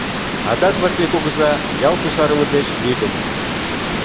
Адак Васлий кугыза ял кусарыме деч лӱдын.